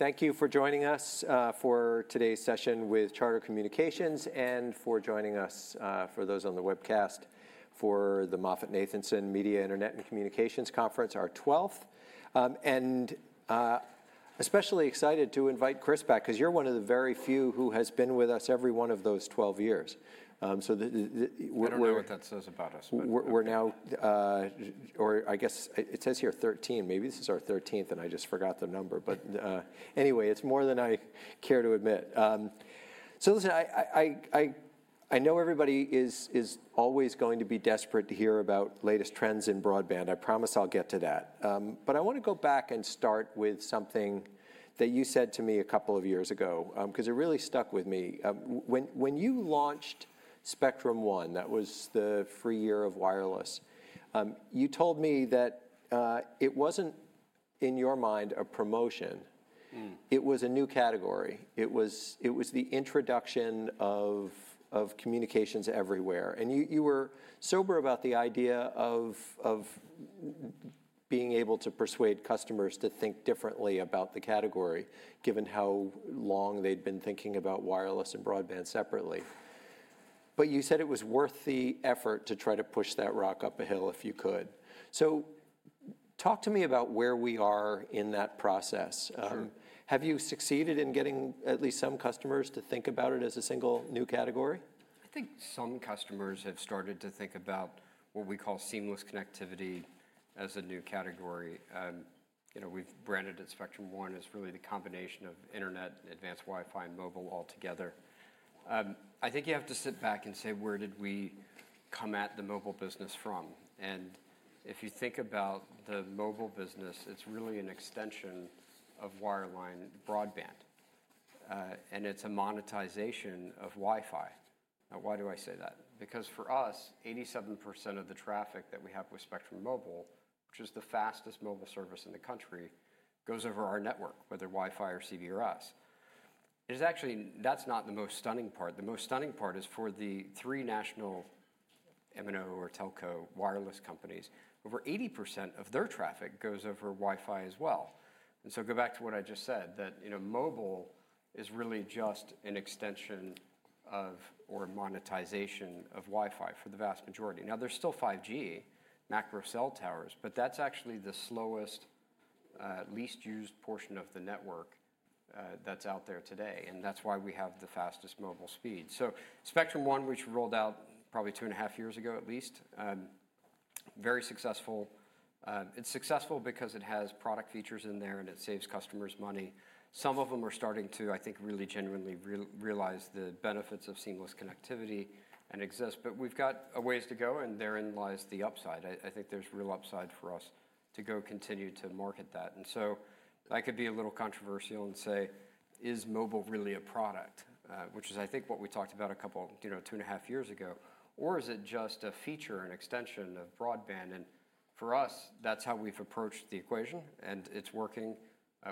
Thank you for joining us for today's session with Charter Communications and for joining us, for those on the webcast, for the MoffettNathanson Media, Internet, & Communications Conference, our 12th. Especially excited to invite Chris back because you're one of the very few who has been with us every one of those 12 years. I'm familiar with what that says about us. We're now, or I guess it says here 13. Maybe this is our 13th, and I just forgot the number. Anyway, it's more than I care to admit. Listen, I know everybody is always going to be desperate to hear about latest trends in broadband. I promise I'll get to that. I want to go back and start with something that you said to me a couple of years ago because it really stuck with me. When you launched Spectrum One, that was the free year of wireless, you told me that it wasn't, in your mind, a promotion. It was a new category. It was the introduction of communications everywhere. You were sober about the idea of being able to persuade customers to think differently about the category, given how long they'd been thinking about wireless and broadband separately. You said it was worth the effort to try to push that rock up a hill if you could. Talk to me about where we are in that process. Have you succeeded in getting at least some customers to think about it as a single new category? I think some customers have started to think about what we call seamless connectivity as a new category. We've branded it Spectrum One as really the combination of internet, Advanced WiFi, and mobile altogether. I think you have to sit back and say, where did we come at the mobile business from? If you think about the mobile business, it's really an extension of wireline, broadband. It's a monetization of WiFi. Now, why do I say that? Because for us, 87% of the traffic that we have with Spectrum Mobile, which is the fastest mobile service in the country, goes over our network, whether WiFi or CBRS. That's not the most stunning part. The most stunning part is for the three national M&O or telco wireless companies, over 80% of their traffic goes over WiFi as well. Go back to what I just said, that mobile is really just an extension of or a monetization of WiFi for the vast majority. Now, there's still 5G, macro cell towers, but that's actually the slowest, least used portion of the network that's out there today. That's why we have the fastest mobile speed. Spectrum One, which rolled out probably two and a half years ago at least, very successful. It's successful because it has product features in there and it saves customers money. Some of them are starting to, I think, really genuinely realize the benefits of seamless connectivity and exist. We've got a ways to go, and therein lies the upside. I think there's real upside for us to go continue to market that. I could be a little controversial and say, is mobile really a product, which is, I think, what we talked about a couple, two and a half years ago, or is it just a feature, an extension of broadband? For us, that's how we've approached the equation. It's working.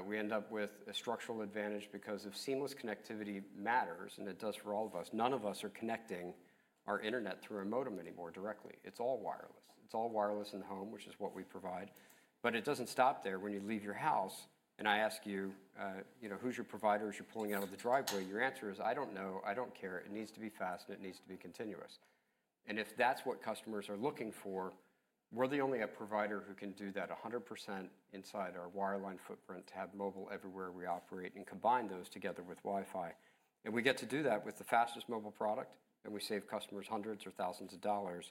We end up with a structural advantage because seamless connectivity matters, and it does for all of us. None of us are connecting our internet through a modem anymore directly. It's all wireless. It's all wireless in the home, which is what we provide. It doesn't stop there. When you leave your house and I ask you, who's your provider as you're pulling out of the driveway, your answer is, I don't know. I don't care. It needs to be fast, and it needs to be continuous. If that's what customers are looking for, we're the only provider who can do that 100% inside our wireline footprint to have mobile everywhere we operate and combine those together with WiFi. We get to do that with the fastest mobile product, and we save customers hundreds or thousands of dollars.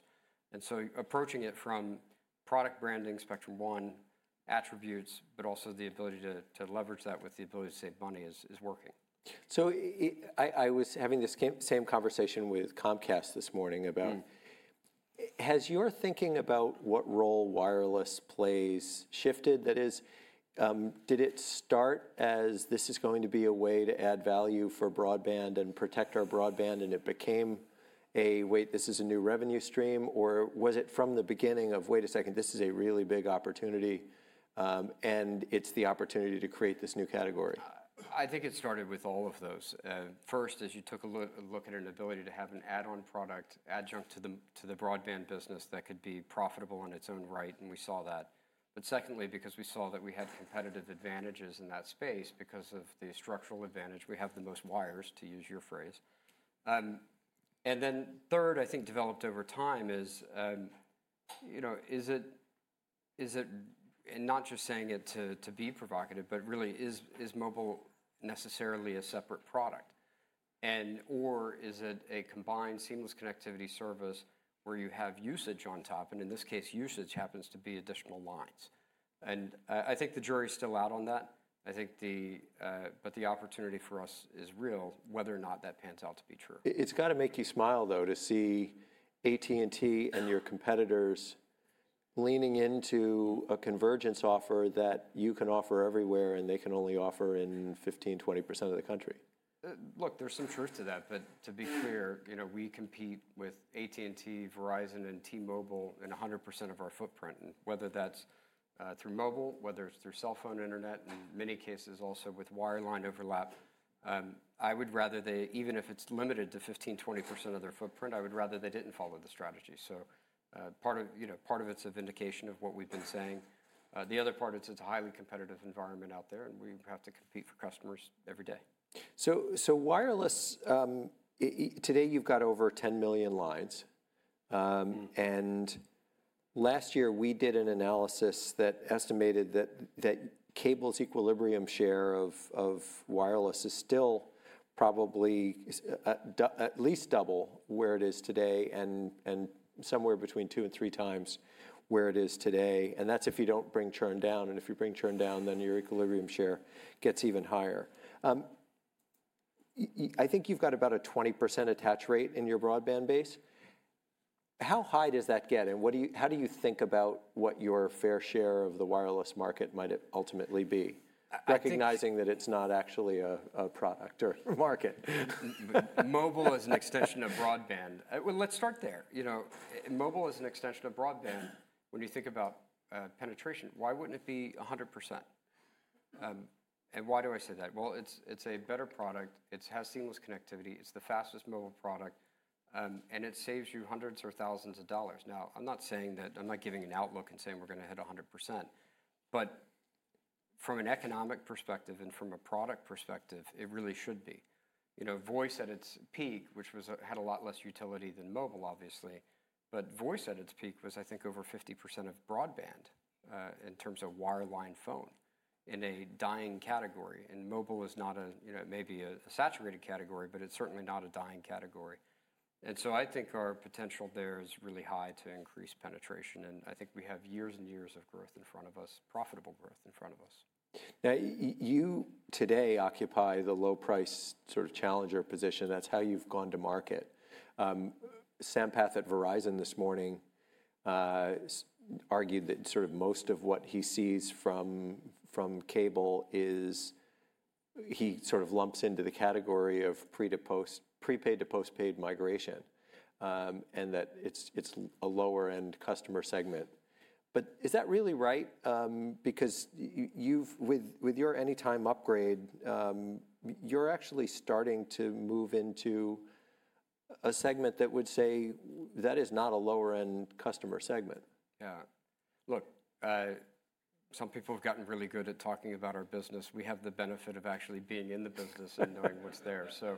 Approaching it from product branding, Spectrum One attributes, but also the ability to leverage that with the ability to save money is working. I was having this same conversation with Comcast this morning about has your thinking about what role wireless plays shifted? That is, did it start as this is going to be a way to add value for broadband and protect our broadband, and it became a, wait, this is a new revenue stream, or was it from the beginning of, wait a second, this is a really big opportunity, and it's the opportunity to create this new category? I think it started with all of those. First, as you took a look at an ability to have an add-on product adjunct to the broadband business that could be profitable in its own right, and we saw that. Second, because we saw that we had competitive advantages in that space because of the structural advantage, we have the most wires, to use your phrase. Third, I think developed over time is, is it, and not just saying it to be provocative, but really, is mobile necessarily a separate product? And/or is it a combined seamless connectivity service where you have usage on top? In this case, usage happens to be additional lines. I think the jury's still out on that. I think the opportunity for us is real, whether or not that pans out to be true. It's got to make you smile, though, to see AT&T and your competitors leaning into a convergence offer that you can offer everywhere and they can only offer in 15%-20% of the country. Look, there's some truth to that. But to be clear, we compete with AT&T, Verizon, and T-Mobile in 100% of our footprint, whether that's through mobile, whether it's through cell phone internet, and in many cases also with wireline overlap. I would rather they, even if it's limited to 15%-20% of their footprint, I would rather they didn't follow the strategy. So part of it's a vindication of what we've been saying. The other part, it's a highly competitive environment out there, and we have to compete for customers every day. Wireless, today you've got over 10 million lines. Last year, we did an analysis that estimated that cable's equilibrium share of wireless is still probably at least double where it is today and somewhere between two and three times where it is today. That's if you do not bring churn down. If you bring churn down, then your equilibrium share gets even higher. I think you've got about a 20% attach rate in your broadband base. How high does that get? How do you think about what your fair share of the wireless market might ultimately be, recognizing that it's not actually a product or market? Mobile is an extension of broadband. Mobile is an extension of broadband. When you think about penetration, why wouldn't it be 100%? And why do I say that? It is a better product. It has seamless connectivity. It is the fastest mobile product. It saves you hundreds or thousands of dollars. Now, I am not saying that I am not giving an outlook and saying we are going to hit 100%. From an economic perspective and from a product perspective, it really should be. Voice at its peak, which had a lot less utility than mobile, obviously, but voice at its peak was, I think, over 50% of broadband in terms of wireline phone in a dying category. Mobile is not a, maybe a saturated category, but it is certainly not a dying category. I think our potential there is really high to increase penetration. I think we have years and years of growth in front of us, profitable growth in front of us. Now, you today occupy the low-price sort of challenger position. That's how you've gone to market. Sampath at Verizon this morning argued that sort of most of what he sees from cable is he sort of lumps into the category of prepaid to postpaid migration and that it's a lower-end customer segment. Is that really right? Because with your anytime upgrade, you're actually starting to move into a segment that would say that is not a lower-end customer segment. Yeah. Look, some people have gotten really good at talking about our business. We have the benefit of actually being in the business and knowing what's there. So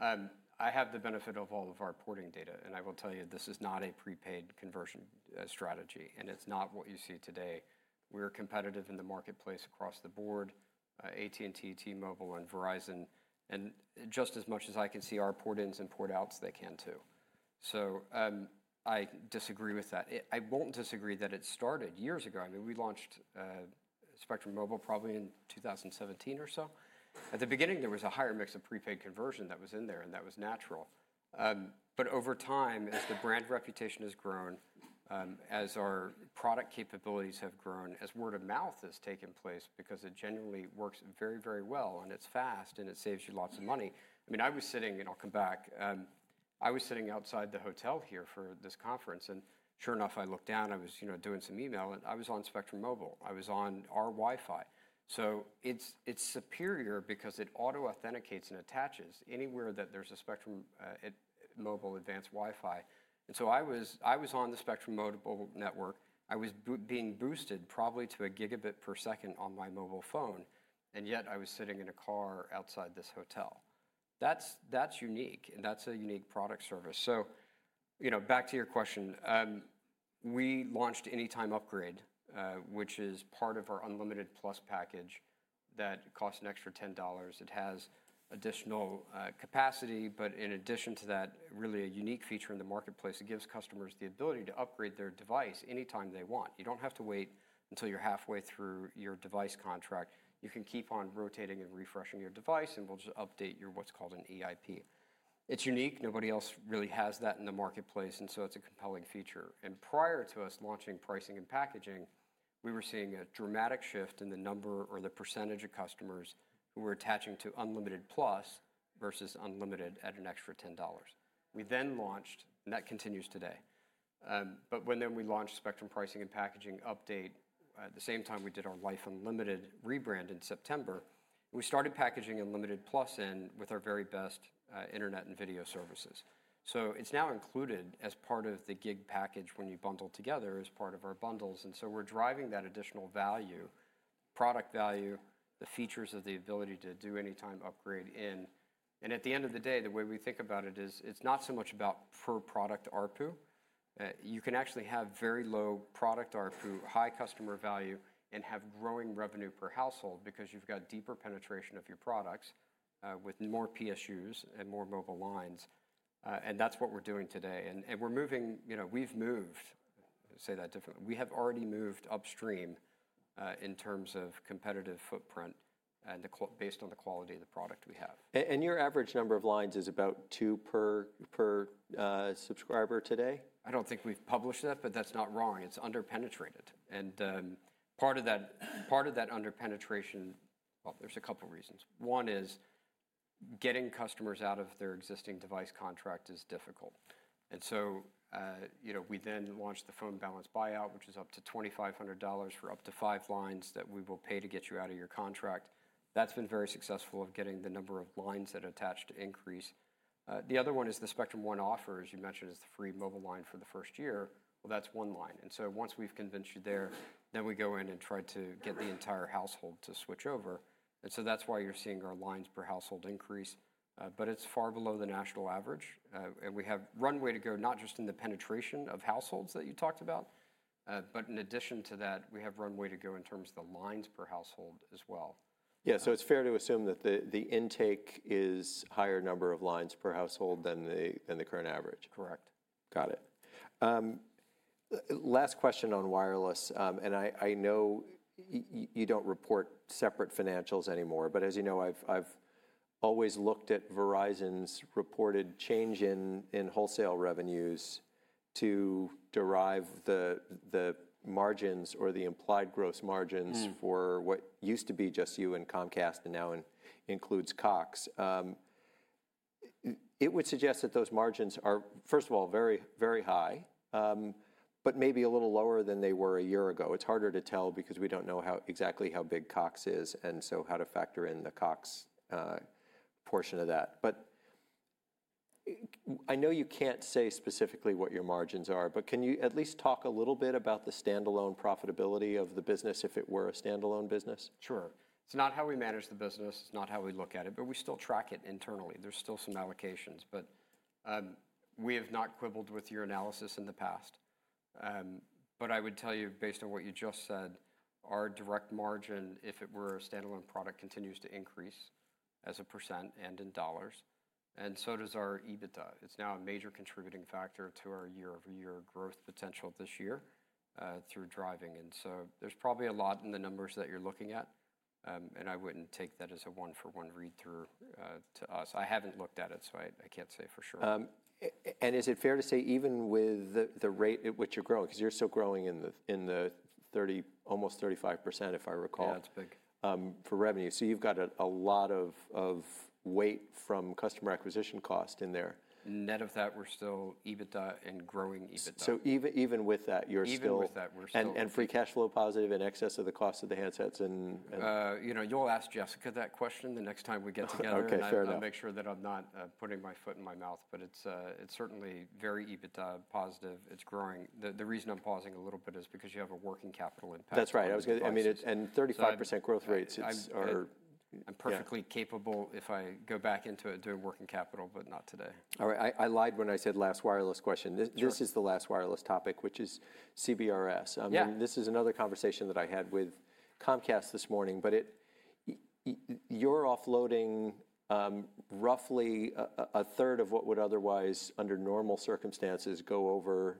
I have the benefit of all of our porting data. And I will tell you, this is not a prepaid conversion strategy. And it's not what you see today. We're competitive in the marketplace across the board, AT&T, T-Mobile, and Verizon. And just as much as I can see our port-ins and port-outs, they can too. So I disagree with that. I won't disagree that it started years ago. I mean, we launched Spectrum Mobile probably in 2017 or so. At the beginning, there was a higher mix of prepaid conversion that was in there, and that was natural. Over time, as the brand reputation has grown, as our product capabilities have grown, as word of mouth has taken place because it genuinely works very, very well, and it's fast, and it saves you lots of money. I mean, I was sitting, and I'll come back. I was sitting outside the hotel here for this conference. Sure enough, I looked down. I was doing some email. I was on Spectrum Mobile. I was on our WiFi. It's superior because it auto-authenticates and attaches anywhere that there's a Spectrum Mobile Advanced WiFi. I was on the Spectrum Mobile network. I was being boosted probably to a gigabit per second on my mobile phone. Yet I was sitting in a car outside this hotel. That's unique. That's a unique product service. Back to your question, we launched anytime upgrade, which is part of our Unlimited Plus package that costs an extra $10. It has additional capacity, but in addition to that, really a unique feature in the marketplace. It gives customers the ability to upgrade their device anytime they want. You don't have to wait until you're halfway through your device contract. You can keep on rotating and refreshing your device, and we'll just update your what's called an EIP. It's unique. Nobody else really has that in the marketplace. It's a compelling feature. Prior to us launching pricing and packaging, we were seeing a dramatic shift in the number or the percentage of customers who were attaching to Unlimited Plus versus Unlimited at an extra $10. We then launched, and that continues today. When we launched Spectrum pricing and packaging update at the same time we did our life unlimited rebrand in September, we started packaging Unlimited Plus in with our very best internet and video services. It is now included as part of the gig package when you bundle together as part of our bundles. We are driving that additional value, product value, the features of the ability to do anytime upgrade in. At the end of the day, the way we think about it is it is not so much about per product ARPU. You can actually have very low product ARPU, high customer value, and have growing revenue per household because you have got deeper penetration of your products with more PSUs and more mobile lines. That is what we are doing today. We are moving, we have moved, say that differently. We have already moved upstream in terms of competitive footprint based on the quality of the product we have. Is your average number of lines about two per subscriber today? I don't think we've published that, but that's not wrong. It's underpenetrated. Part of that underpenetration, well, there's a couple of reasons. One is getting customers out of their existing device contract is difficult. We then launched the phone balance buyout, which is up to $2,500 for up to five lines that we will pay to get you out of your contract. That's been very successful of getting the number of lines that attached to increase. The other one is the Spectrum One offer, as you mentioned, is the free mobile line for the first year. That's one line. Once we've convinced you there, we go in and try to get the entire household to switch over. That's why you're seeing our lines per household increase. It's far below the national average. We have runway to go, not just in the penetration of households that you talked about, but in addition to that, we have runway to go in terms of the lines per household as well. Yeah. So it's fair to assume that the intake is higher number of lines per household than the current average. Correct. Got it. Last question on wireless. I know you don't report separate financials anymore. As you know, I've always looked at Verizon's reported change in wholesale revenues to derive the margins or the implied gross margins for what used to be just you and Comcast and now includes Cox. It would suggest that those margins are, first of all, very, very high, but maybe a little lower than they were a year ago. It's harder to tell because we don't know exactly how big Cox is and so how to factor in the Cox portion of that. I know you can't say specifically what your margins are, but can you at least talk a little bit about the standalone profitability of the business if it were a standalone business? Sure. It's not how we manage the business. It's not how we look at it. We still track it internally. There are still some allocations. We have not quibbled with your analysis in the past. I would tell you, based on what you just said, our direct margin, if it were a standalone product, continues to increase as a percent and in dollars. So does our EBITDA. It is now a major contributing factor to our year-over-year growth potential this year through driving. There is probably a lot in the numbers that you are looking at. I would not take that as a one-for-one read-through to us. I have not looked at it, so I cannot say for sure. Is it fair to say even with the rate at which you're growing, because you're still growing in the 30%, almost 35%, if I recall? Yeah, it's big. For revenue. You've got a lot of weight from customer acquisition cost in there. Net of that, we're still EBITDA and growing EBITDA. Even with that, you're still. Even with that, we're still. Free cash flow positive in excess of the cost of the handsets. You'll ask Jessica that question the next time we get together. Oh, okay. Fair enough. I want to make sure that I'm not putting my foot in my mouth. But it's certainly very EBITDA positive. It's growing. The reason I'm pausing a little bit is because you have a working capital impact. That's right. I mean, and 35% growth rates are. I'm perfectly capable if I go back into it doing working capital, but not today. All right. I lied when I said last wireless question. This is the last wireless topic, which is CBRS. I mean, this is another conversation that I had with Comcast this morning. You are offloading roughly a third of what would otherwise, under normal circumstances, go over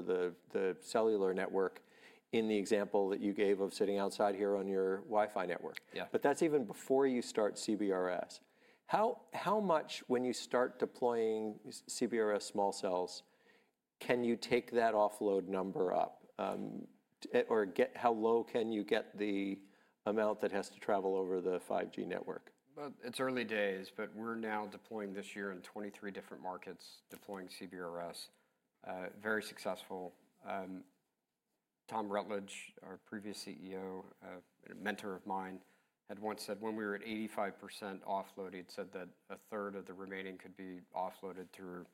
the cellular network in the example that you gave of sitting outside here on your WiFi network. Yeah. That is even before you start CBRS. How much, when you start deploying CBRS small cells, can you take that offload number up? Or how low can you get the amount that has to travel over the 5G network? It's early days. We are now deploying this year in 23 different markets, deploying CBRS, very successful. Tom Rutledge, our previous CEO, a mentor of mine, had once said when we were at 85% offload, he said that a third of the remaining could be offloaded through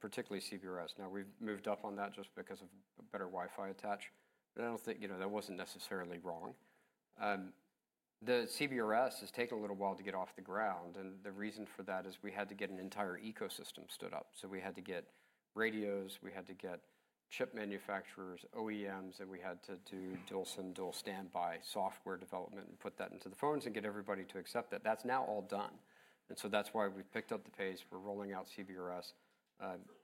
particularly CBRS. Now, we have moved up on that just because of a better WiFi attach. I do not think that was necessarily wrong. The CBRS has taken a little while to get off the ground. The reason for that is we had to get an entire ecosystem stood up. We had to get radios. We had to get chip manufacturers, OEMs. We had to do Dual SIM Dual Standby software development and put that into the phones and get everybody to accept that. That is now all done. That is why we have picked up the pace. We are rolling out CBRS.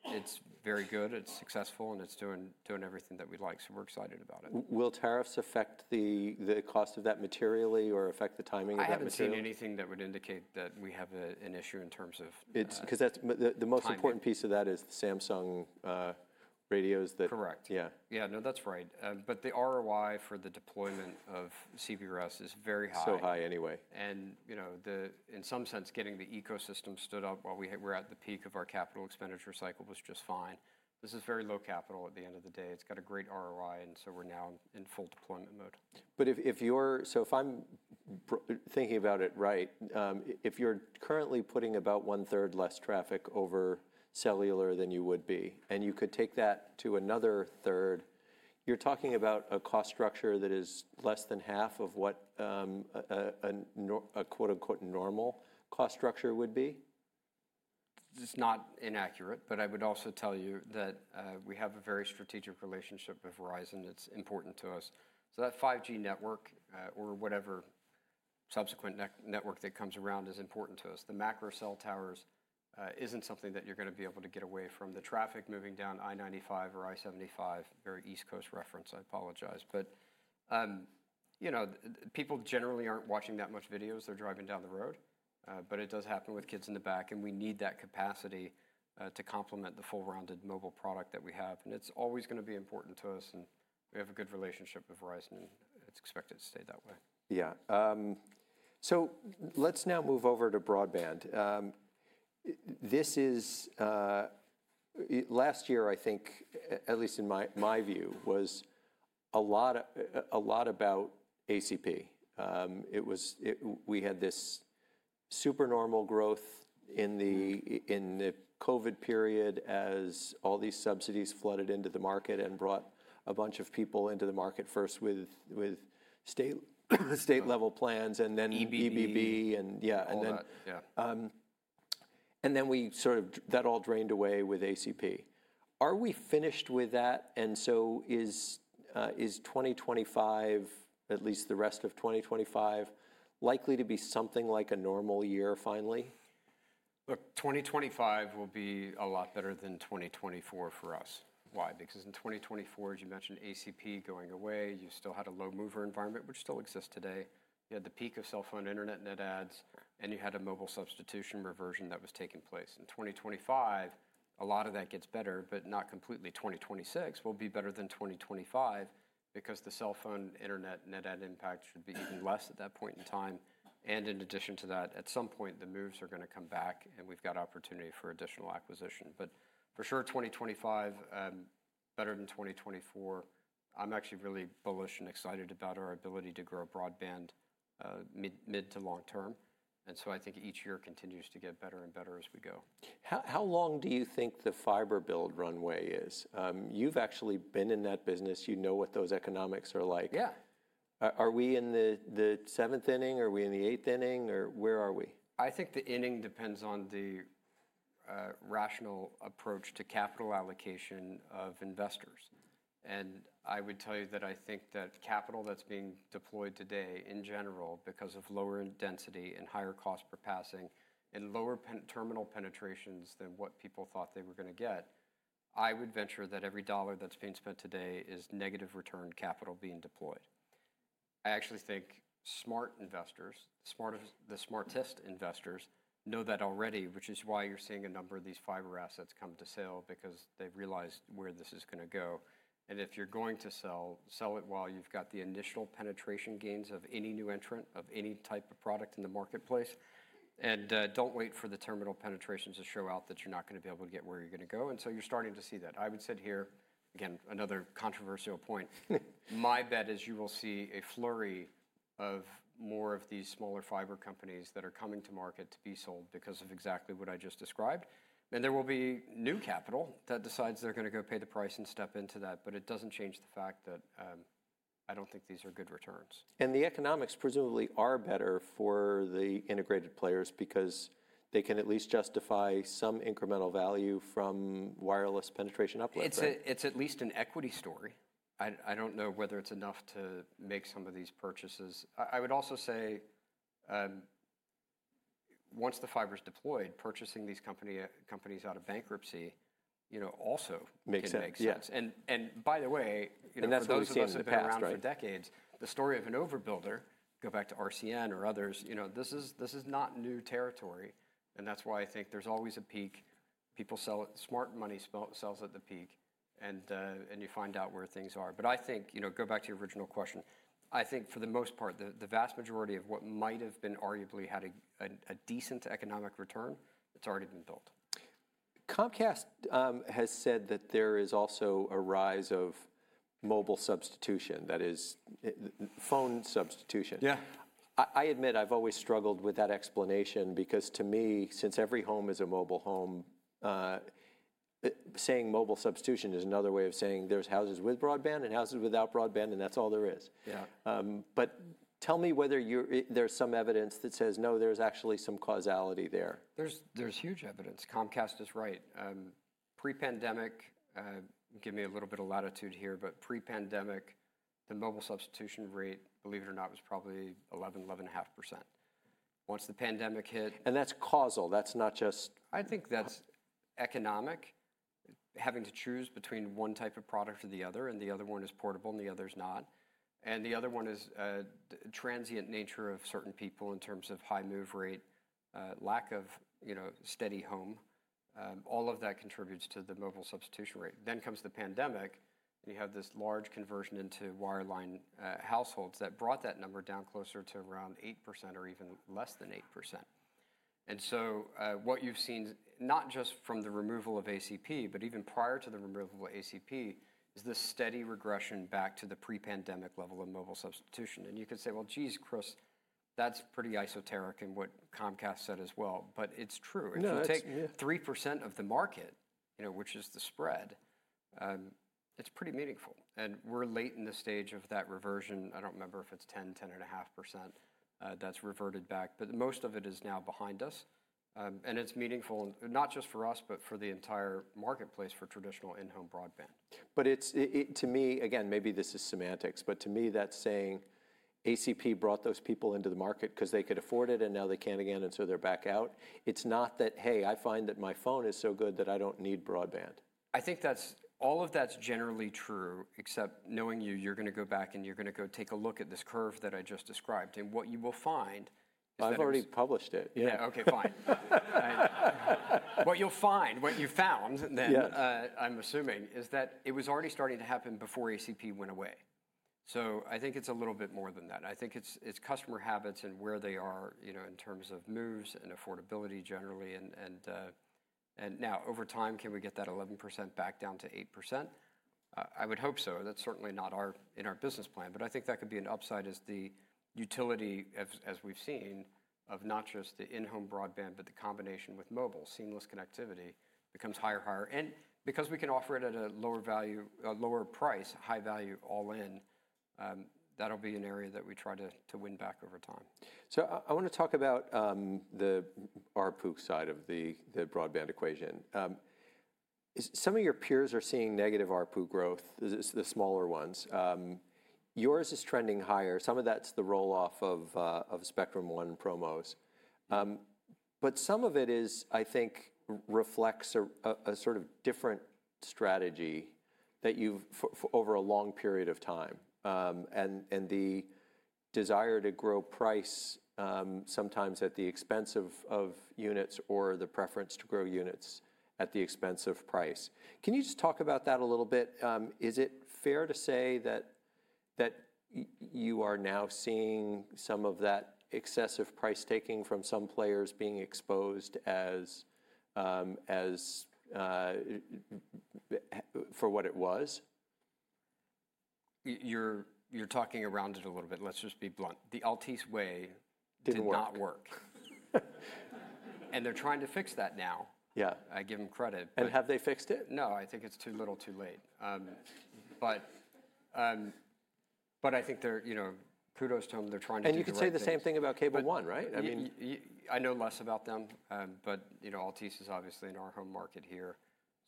It's very good. It's successful. It's doing everything that we'd like. We're excited about it. Will tariffs affect the cost of that materially or affect the timing of that material? I haven't seen anything that would indicate that we have an issue in terms of. Because the most important piece of that is Samsung radios. Correct. Yeah. Yeah. No, that's right. The ROI for the deployment of CBRS is very high. So high anyway. In some sense, getting the ecosystem stood up while we were at the peak of our capital expenditure cycle was just fine. This is very low capital at the end of the day. It's got a great ROI. We are now in full deployment mode. If I'm thinking about it right, if you're currently putting about one-third less traffic over cellular than you would be, and you could take that to another third, you're talking about a cost structure that is less than half of what a "normal" cost structure would be? It's not inaccurate. I would also tell you that we have a very strategic relationship with Verizon. It's important to us. That 5G network or whatever subsequent network that comes around is important to us. The macro cell towers are not something that you're going to be able to get away from. The traffic moving down I-95 or I-75, very East Coast reference, I apologize. People generally aren't watching that much videos. They're driving down the road. It does happen with kids in the back. We need that capacity to complement the full-rounded mobile product that we have. It's always going to be important to us. We have a good relationship with Verizon. It's expected to stay that way. Yeah. Let's now move over to broadband. This is last year, I think, at least in my view, was a lot about ACP. We had this supernormal growth in the COVID period as all these subsidies flooded into the market and brought a bunch of people into the market first with state-level plans and then EBB. EBB, yeah. We sort of, that all drained away with ACP. Are we finished with that? Is 2025, at least the rest of 2025, likely to be something like a normal year finally? Look, 2025 will be a lot better than 2024 for us. Why? Because in 2024, as you mentioned, ACP going away. You still had a low-mover environment, which still exists today. You had the peak of cell phone internet and net adds. You had a mobile substitution reversion that was taking place. In 2025, a lot of that gets better, but not completely. 2026 will be better than 2025 because the cell phone internet and net add impact should be even less at that point in time. In addition to that, at some point, the moves are going to come back. We have got opportunity for additional acquisition. For sure, 2025 better than 2024. I'm actually really bullish and excited about our ability to grow broadband mid to long term. I think each year continues to get better and better as we go. How long do you think the fiber build runway is? You've actually been in that business. You know what those economics are like. Yeah. Are we in the seventh inning? Are we in the eighth inning? Or where are we? I think the inning depends on the rational approach to capital allocation of investors. I would tell you that I think that capital that's being deployed today, in general, because of lower density and higher cost per passing and lower terminal penetrations than what people thought they were going to get, I would venture that every dollar that's being spent today is negative return capital being deployed. I actually think smart investors, the smartest investors, know that already, which is why you're seeing a number of these fiber assets come to sale because they've realized where this is going to go. If you're going to sell, sell it while you've got the initial penetration gains of any new entrant of any type of product in the marketplace. Don't wait for the terminal penetrations to show out that you're not going to be able to get where you're going to go. You're starting to see that. I would sit here. Again, another controversial point. My bet is you will see a flurry of more of these smaller fiber companies that are coming to market to be sold because of exactly what I just described. There will be new capital that decides they're going to go pay the price and step into that. It doesn't change the fact that I don't think these are good returns. The economics presumably are better for the integrated players because they can at least justify some incremental value from wireless penetration uplift. It's at least an equity story. I don't know whether it's enough to make some of these purchases. I would also say once the fiber's deployed, purchasing these companies out of bankruptcy also makes sense. Makes sense. By the way. That is what we've seen in the past for decades. The story of an overbuilder, go back to RCN or others, this is not new territory. That is why I think there is always a peak. People sell it. Smart money sells at the peak. You find out where things are. I think go back to your original question. I think for the most part, the vast majority of what might have been arguably had a decent economic return, it is already been built. Comcast has said that there is also a rise of mobile substitution, that is, phone substitution. Yeah. I admit I've always struggled with that explanation because to me, since every home is a mobile home, saying mobile substitution is another way of saying there's houses with broadband and houses without broadband, and that's all there is. Yeah. Tell me whether there's some evidence that says, no, there's actually some causality there. There's huge evidence. Comcast is right. Pre-pandemic, give me a little bit of latitude here. But pre-pandemic, the mobile substitution rate, believe it or not, was probably 11-11.5%. Once the pandemic hit. That's causal. That's not just. I think that's economic, having to choose between one type of product or the other. The other one is portable and the other is not. The other one is transient nature of certain people in terms of high move rate, lack of steady home. All of that contributes to the mobile substitution rate. Then comes the pandemic. You have this large conversion into wireline households that brought that number down closer to around 8% or even less than 8%. What you've seen, not just from the removal of ACP, but even prior to the removal of ACP, is this steady regression back to the pre-pandemic level of mobile substitution. You could say, jeez, Chris, that's pretty esoteric in what Comcast said as well. It is true. No, it's. If you take 3% of the market, which is the spread, it's pretty meaningful. We're late in the stage of that reversion. I don't remember if it's 10%, 10.5% that's reverted back. Most of it is now behind us. It's meaningful, not just for us, but for the entire marketplace for traditional in-home broadband. To me, again, maybe this is semantics. To me, that's saying ACP brought those people into the market because they could afford it. Now they can't again, so they're back out. It's not that, hey, I find that my phone is so good that I don't need broadband. I think all of that's generally true, except knowing you, you're going to go back. You're going to go take a look at this curve that I just described. What you will find. I've already published it. Yeah. OK, fine. What you'll find, what you found then, I'm assuming, is that it was already starting to happen before ACP went away. I think it's a little bit more than that. I think it's customer habits and where they are in terms of moves and affordability generally. Now, over time, can we get that 11% back down to 8%? I would hope so. That's certainly not in our business plan. I think that could be an upside is the utility, as we've seen, of not just the in-home broadband, but the combination with mobile, seamless connectivity becomes higher, higher. Because we can offer it at a lower price, high value all in, that'll be an area that we try to win back over time. I want to talk about the ARPU side of the broadband equation. Some of your peers are seeing negative ARPU growth, the smaller ones. Yours is trending higher. Some of that's the roll-off of Spectrum One promos. Some of it, I think, reflects a sort of different strategy that you've had over a long period of time. The desire to grow price sometimes at the expense of units or the preference to grow units at the expense of price. Can you just talk about that a little bit? Is it fair to say that you are now seeing some of that excessive price taking from some players being exposed as for what it was? You're talking around it a little bit. Let's just be blunt. The Altice way did not work. And they're trying to fix that now. Yeah. I give them credit. Have they fixed it? No, I think it's too little, too late. I think kudos to them. They're trying to do something. You could say the same thing about Cable One, right? I mean. I know less about them. Altice is obviously in our home market here,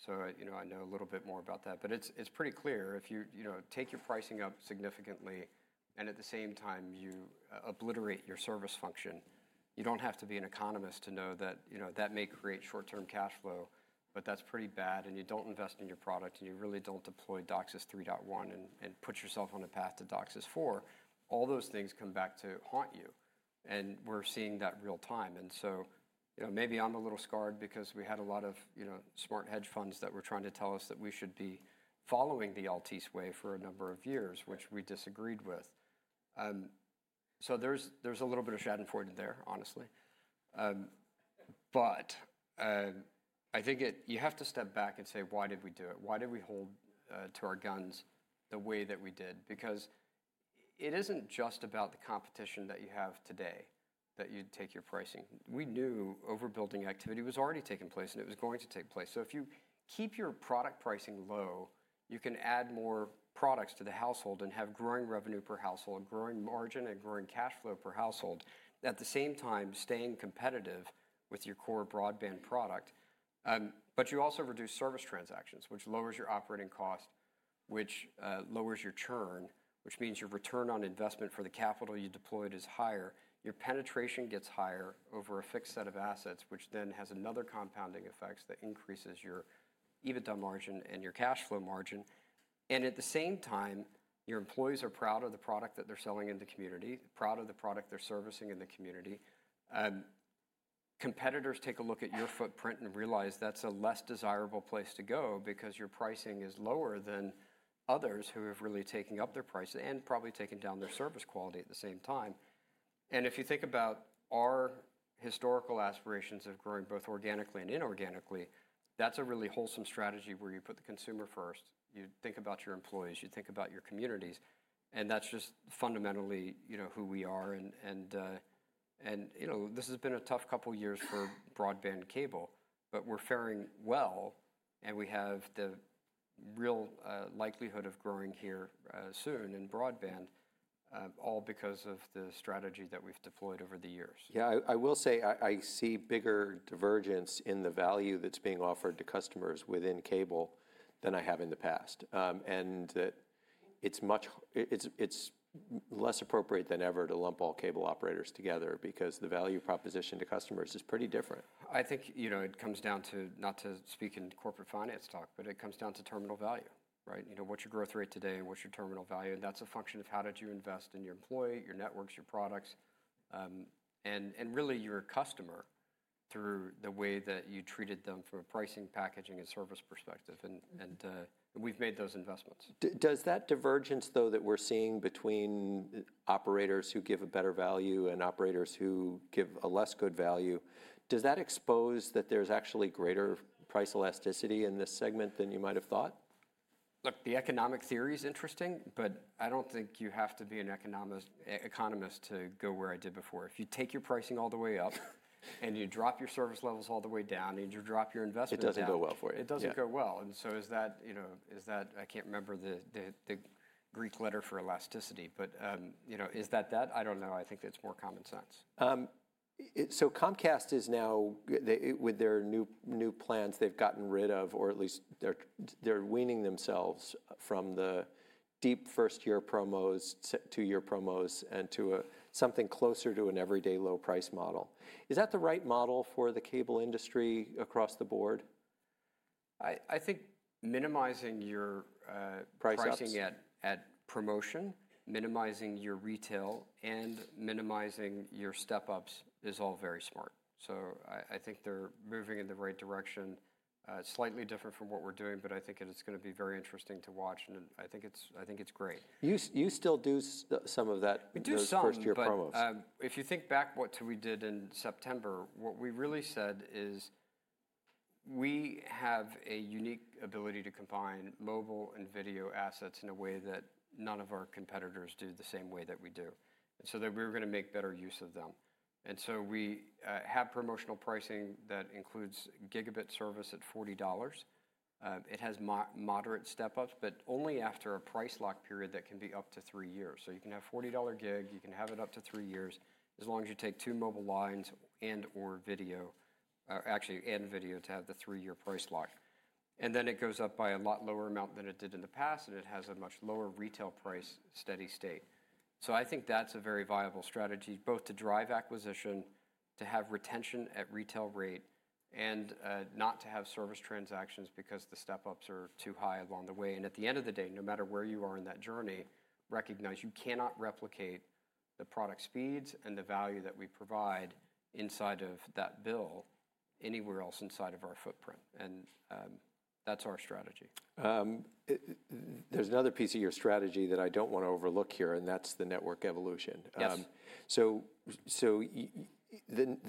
so I know a little bit more about that. It's pretty clear. If you take your pricing up significantly and at the same time you obliterate your service function, you don't have to be an economist to know that that may create short-term cash flow. That's pretty bad. You don't invest in your product, and you really don't deploy DOCSIS 3.1 and put yourself on a path to DOCSIS 4. All those things come back to haunt you. We're seeing that real time. Maybe I'm a little scarred because we had a lot of smart hedge funds that were trying to tell us that we should be following the Altice way for a number of years, which we disagreed with. There is a little bit of Schadenfreude in there, honestly. I think you have to step back and say, why did we do it? Why did we hold to our guns the way that we did? It is not just about the competition that you have today that you take your pricing. We knew overbuilding activity was already taking place. It was going to take place. If you keep your product pricing low, you can add more products to the household and have growing revenue per household, growing margin, and growing cash flow per household, at the same time staying competitive with your core broadband product. You also reduce service transactions, which lowers your operating cost, which lowers your churn, which means your return on investment for the capital you deployed is higher. Your penetration gets higher over a fixed set of assets, which then has another compounding effect that increases your EBITDA margin and your cash flow margin. At the same time, your employees are proud of the product that they're selling in the community, proud of the product they're servicing in the community. Competitors take a look at your footprint and realize that's a less desirable place to go because your pricing is lower than others who have really taken up their price and probably taken down their service quality at the same time. If you think about our historical aspirations of growing both organically and inorganically, that's a really wholesome strategy where you put the consumer first. You think about your employees. You think about your communities. That is just fundamentally who we are. This has been a tough couple of years for broadband cable. We are faring well. We have the real likelihood of growing here soon in broadband, all because of the strategy that we have deployed over the years. Yeah, I will say I see bigger divergence in the value that is being offered to customers within cable than I have in the past. It is less appropriate than ever to lump all cable operators together because the value proposition to customers is pretty different. I think it comes down to, not to speak in corporate finance talk, but it comes down to terminal value, right? What's your growth rate today? What's your terminal value? That's a function of how did you invest in your employee, your networks, your products, and really your customer through the way that you treated them from a pricing, packaging, and service perspective. We've made those investments. Does that divergence, though, that we're seeing between operators who give a better value and operators who give a less good value, does that expose that there's actually greater price elasticity in this segment than you might have thought? Look, the economic theory is interesting. I don't think you have to be an economist to go where I did before. If you take your pricing all the way up and you drop your service levels all the way down and you drop your investments. It doesn't go well for you. It doesn't go well. Is that, I can't remember the Greek letter for elasticity. Is that that? I don't know. I think that's more common sense. Comcast is now, with their new plans, they've gotten rid of, or at least they're weaning themselves from the deep first-year promos, two-year promos, and to something closer to an everyday low-price model. Is that the right model for the cable industry across the board? I think minimizing your. Pricing. Pricing at promotion, minimizing your retail, and minimizing your step-ups is all very smart. I think they're moving in the right direction, slightly different from what we're doing. I think it's going to be very interesting to watch. I think it's great. You still do some of that. We do some. Through first-year promos. If you think back to what we did in September, what we really said is we have a unique ability to combine mobile and video assets in a way that none of our competitors do the same way that we do. We were going to make better use of them. We have promotional pricing that includes gigabit service at $40. It has moderate step-ups, but only after a price lock period that can be up to three years. You can have $40 gig. You can have it up to three years as long as you take two mobile lines and/or video, actually and video to have the three-year price lock. It goes up by a lot lower amount than it did in the past. It has a much lower retail price steady state. I think that's a very viable strategy, both to drive acquisition, to have retention at retail rate, and not to have service transactions because the step-ups are too high along the way. At the end of the day, no matter where you are in that journey, recognize you cannot replicate the product speeds and the value that we provide inside of that bill anywhere else inside of our footprint. That's our strategy. There's another piece of your strategy that I don't want to overlook here. That's the network evolution. Yes. The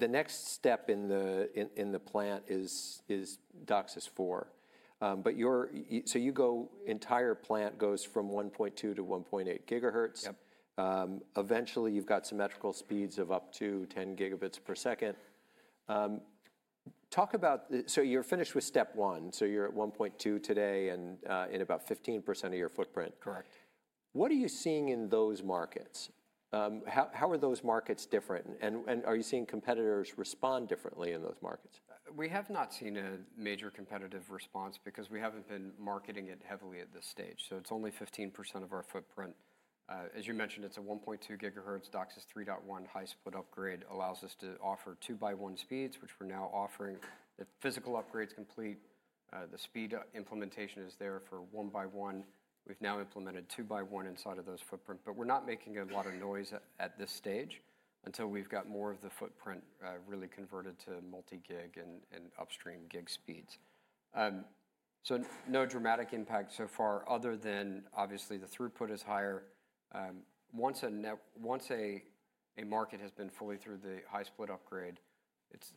next step in the plant is DOCSIS 4. But you go entire plant goes from 1.2 to 1.8 GHz. Yep. Eventually, you've got symmetrical speeds of up to 10 Gb per second. Talk about, so you're finished with step one. So you're at 1.2 today and in about 15% of your footprint. Correct. What are you seeing in those markets? How are those markets different? Are you seeing competitors respond differently in those markets? We have not seen a major competitive response because we haven't been marketing it heavily at this stage. It's only 15% of our footprint. As you mentioned, it's a 1.2 GHz DOCSIS 3.1 high-split upgrade allows us to offer two-by-one speeds, which we're now offering. The physical upgrade's complete. The speed implementation is there for one-by-one. We've now implemented two-by-one inside of those footprints. We're not making a lot of noise at this stage until we've got more of the footprint really converted to multi-gig and upstream gig speeds. No dramatic impact so far other than, obviously, the throughput is higher. Once a market has been fully through the high-split upgrade,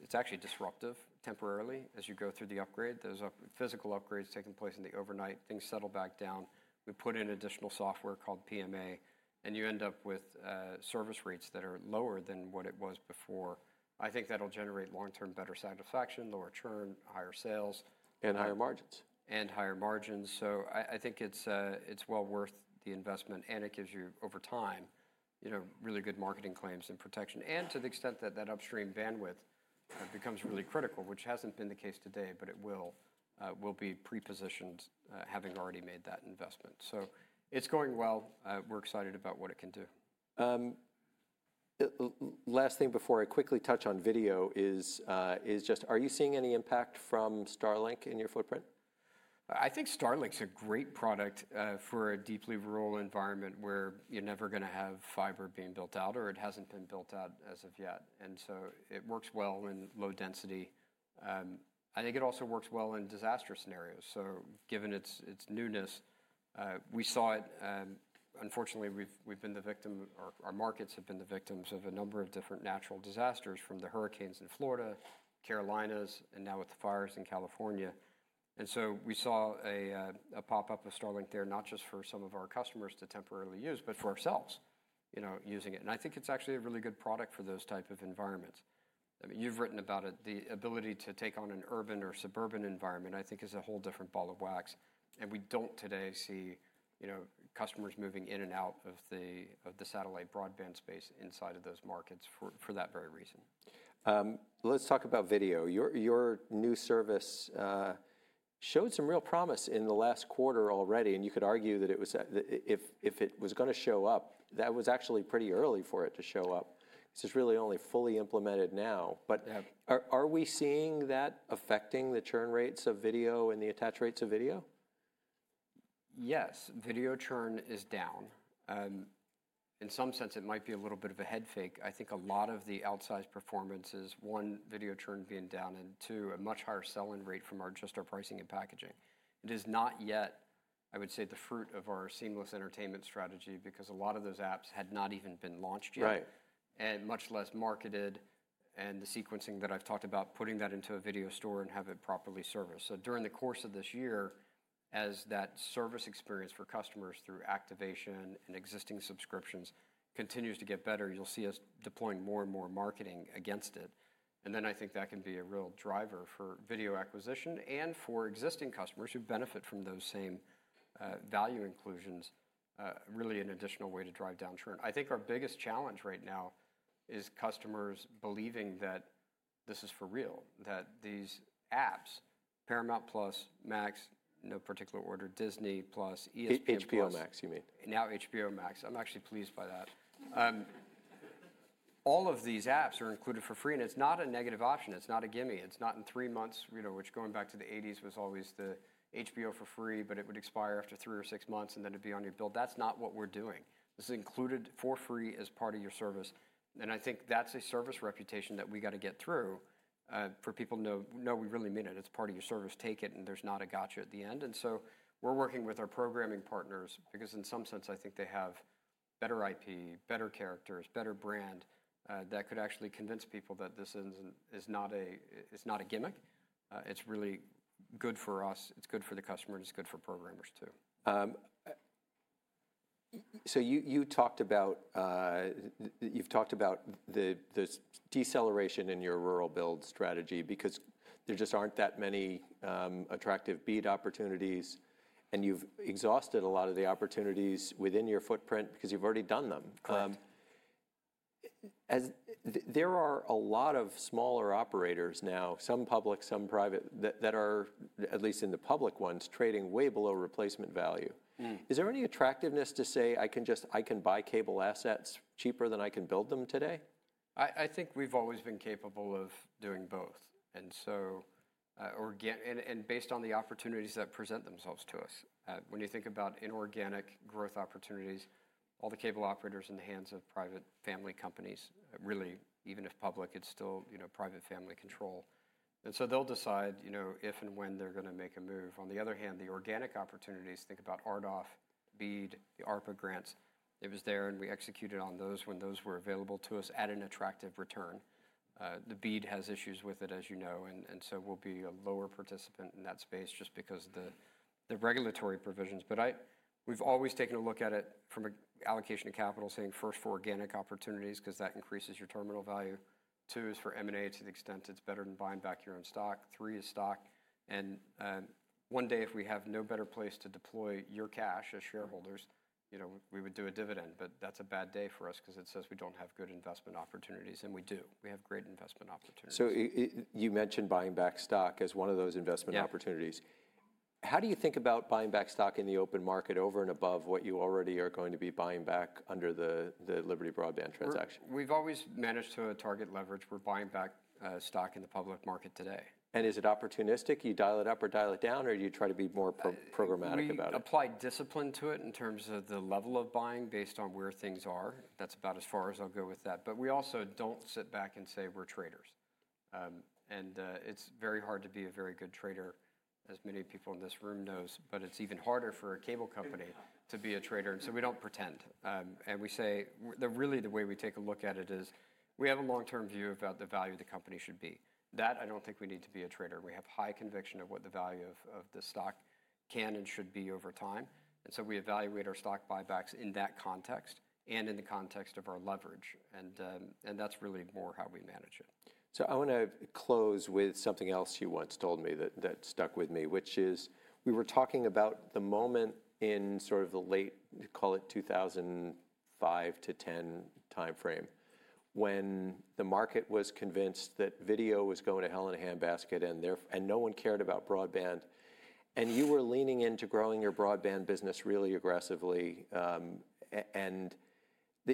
it's actually disruptive temporarily as you go through the upgrade. There's physical upgrades taking place in the overnight. Things settle back down. We put in additional software called PMA. You end up with service rates that are lower than what it was before. I think that'll generate long-term better satisfaction, lower churn, higher sales. Higher margins. Higher margins. I think it's well worth the investment. It gives you, over time, really good marketing claims and protection. To the extent that upstream bandwidth becomes really critical, which has not been the case today, it will be pre-positioned having already made that investment. It is going well. We're excited about what it can do. Last thing before I quickly touch on video is just, are you seeing any impact from Starlink in your footprint? I think Starlink is a great product for a deeply rural environment where you're never going to have fiber being built out or it hasn't been built out as of yet. It works well in low density. I think it also works well in disaster scenarios. Given its newness, we saw it. Unfortunately, we've been the victim. Our markets have been the victims of a number of different natural disasters from the hurricanes in Florida, Carolinas, and now with the fires in California. We saw a pop-up of Starlink there, not just for some of our customers to temporarily use, but for ourselves using it. I think it's actually a really good product for those types of environments. I mean, you've written about it. The ability to take on an urban or suburban environment, I think, is a whole different ball of wax. We don't today see customers moving in and out of the satellite broadband space inside of those markets for that very reason. Let's talk about video. Your new service showed some real promise in the last quarter already. You could argue that if it was going to show up, that was actually pretty early for it to show up. This is really only fully implemented now. Are we seeing that affecting the churn rates of video and the attach rates of video? Yes. Video churn is down. In some sense, it might be a little bit of a head fake. I think a lot of the outsized performance is, one, video churn being down, and two, a much higher selling rate from just our pricing and packaging. It is not yet, I would say, the fruit of our seamless entertainment strategy because a lot of those apps had not even been launched yet. Right. Much less marketed. The sequencing that I've talked about, putting that into a video store and having it properly serviced. During the course of this year, as that service experience for customers through activation and existing subscriptions continues to get better, you'll see us deploying more and more marketing against it. I think that can be a real driver for video acquisition and for existing customers who benefit from those same value inclusions, really an additional way to drive down churn. I think our biggest challenge right now is customers believing that this is for real, that these apps, Paramount+, Max, no particular order, Disney+, ESPN+. HBO Max, you mean. Now HBO Max. I'm actually pleased by that. All of these apps are included for free. It's not a negative option. It's not a gimme. It's not in three months, which going back to the 1980s was always the HBO for free, but it would expire after three or six months and then it'd be on your bill. That's not what we're doing. This is included for free as part of your service. I think that's a service reputation that we got to get through for people to know, no, we really mean it. It's part of your service. Take it. There's not a gotcha at the end. We are working with our programming partners because in some sense, I think they have better IP, better characters, better brand that could actually convince people that this is not a gimmick. It's really good for us. It's good for the customer. It's good for programmers, too. You've talked about the deceleration in your rural build strategy because there just aren't that many attractive BEAD opportunities. You've exhausted a lot of the opportunities within your footprint because you've already done them. Correct. There are a lot of smaller operators now, some public, some private, that are, at least in the public ones, trading way below replacement value. Is there any attractiveness to say, I can buy cable assets cheaper than I can build them today? I think we've always been capable of doing both. Based on the opportunities that present themselves to us. When you think about inorganic growth opportunities, all the cable operators are in the hands of private family companies, really, even if public, it's still private family control. They'll decide if and when they're going to make a move. On the other hand, the organic opportunities, think about RDOF, BEAD, the ARPA grants, it was there. We executed on those when those were available to us at an attractive return. The BEAD has issues with it, as you know. We'll be a lower participant in that space just because of the regulatory provisions. We've always taken a look at it from allocation of capital, saying first for organic opportunities because that increases your terminal value. Two is for M&A to the extent it's better than buying back your own stock. Three is stock. One day, if we have no better place to deploy your cash as shareholders, we would do a dividend. That is a bad day for us because it says we don't have good investment opportunities. We do. We have great investment opportunities. You mentioned buying back stock as one of those investment opportunities. Yes. How do you think about buying back stock in the open market over and above what you already are going to be buying back under the Liberty Broadband transaction? We've always managed to target leverage. We're buying back stock in the public market today. Is it opportunistic? You dial it up or dial it down? Or do you try to be more programmatic about it? We apply discipline to it in terms of the level of buying based on where things are. That is about as far as I will go with that. We also do not sit back and say we are traders. It is very hard to be a very good trader, as many people in this room know. It is even harder for a cable company to be a trader. We do not pretend. We say really, the way we take a look at it is we have a long-term view about the value the company should be. That, I do not think we need to be a trader. We have high conviction of what the value of the stock can and should be over time. We evaluate our stock buybacks in that context and in the context of our leverage. That is really more how we manage it. I want to close with something else you once told me that stuck with me, which is we were talking about the moment in sort of the late, call it 2005 to 2010 time frame when the market was convinced that video was going to hell in a handbasket and no one cared about broadband. You were leaning into growing your broadband business really aggressively.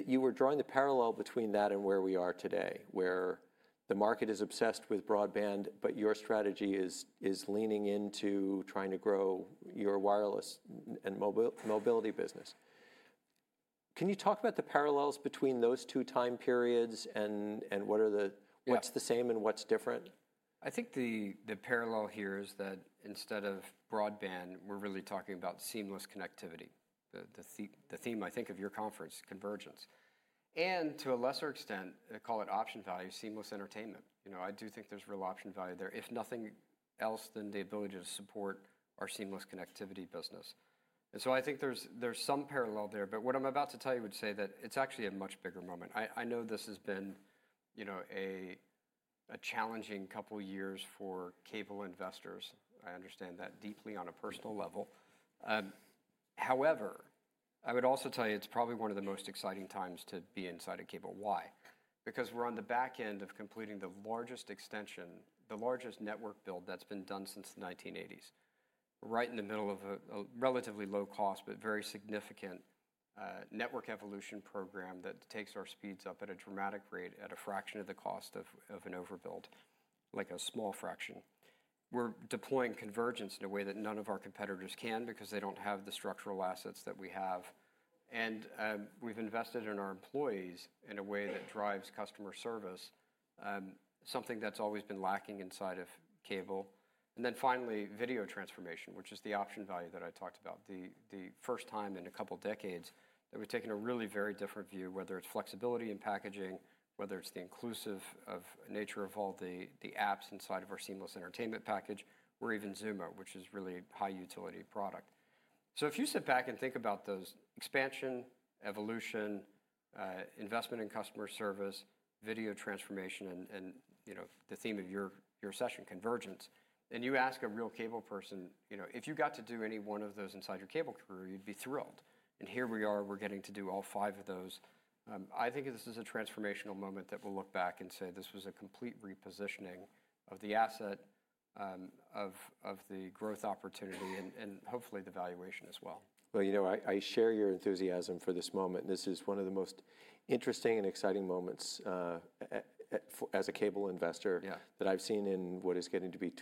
You were drawing the parallel between that and where we are today, where the market is obsessed with broadband, but your strategy is leaning into trying to grow your wireless and mobility business. Can you talk about the parallels between those two time periods and what's the same and what's different? I think the parallel here is that instead of broadband, we're really talking about seamless connectivity, the theme, I think, of your conference, convergence. To a lesser extent, call it option value, seamless entertainment. I do think there's real option value there, if nothing else than the ability to support our seamless connectivity business. I think there's some parallel there. What I'm about to tell you would say that it's actually a much bigger moment. I know this has been a challenging couple of years for cable investors. I understand that deeply on a personal level. However, I would also tell you it's probably one of the most exciting times to be inside of cable. Why? Because we're on the back end of completing the largest extension, the largest network build that's been done since the 1980s, right in the middle of a relatively low-cost but very significant network evolution program that takes our speeds up at a dramatic rate at a fraction of the cost of an overbuild, like a small fraction. We're deploying convergence in a way that none of our competitors can because they don't have the structural assets that we have. We've invested in our employees in a way that drives customer service, something that's always been lacking inside of cable. Finally, video transformation, which is the option value that I talked about, the first time in a couple of decades that we've taken a really very different view, whether it's flexibility in packaging, whether it's the inclusive nature of all the apps inside of our seamless entertainment package, or even Xumo, which is really a high-utility product. If you sit back and think about those expansion, evolution, investment in customer service, video transformation, and the theme of your session, convergence, and you ask a real cable person, if you got to do any one of those inside your cable career, you'd be thrilled. Here we are. We're getting to do all five of those. I think this is a transformational moment that we'll look back and say this was a complete repositioning of the asset, of the growth opportunity, and hopefully the valuation as well. You know I share your enthusiasm for this moment. This is one of the most interesting and exciting moments as a cable investor that I've seen in what is getting to be.